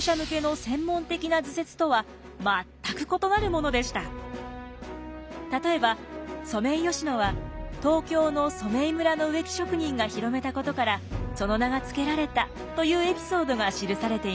この図鑑はこれまでの例えばソメイヨシノは東京の染井村の植木職人が広めたことからその名がつけられたというエピソードが記されています。